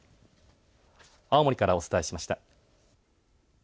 青森からお伝えしました。